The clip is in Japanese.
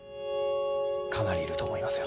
かなりいると思いますよ。